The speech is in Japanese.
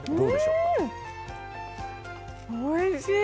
おいしい。